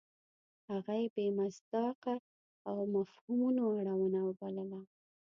هغه یې بې مصداقه او مفهومونو اړونه وبلله.